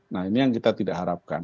nah ini yang kita tidak harapkan